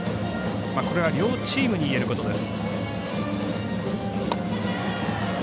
これは両チームに言えることです。